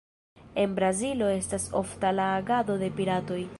En Brazilo estas ofta la agado de piratoj.